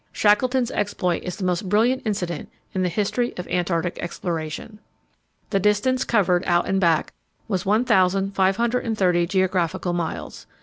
Shackleton's exploit is the most brilliant incident in the history of Antarctic exploration. The distance covered, out and back, was 1,530 geographical miles.